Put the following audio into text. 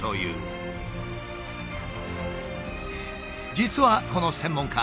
実はこの専門家